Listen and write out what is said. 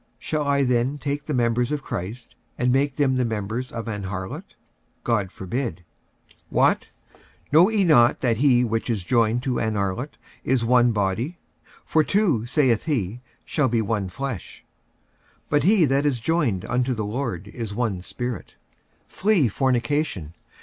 shall I then take the members of Christ, and make them the members of an harlot? God forbid. 46:006:016 What? know ye not that he which is joined to an harlot is one body? for two, saith he, shall be one flesh. 46:006:017 But he that is joined unto the Lord is one spirit. 46:006:018 Flee fornication.